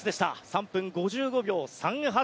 ３分５５秒３８。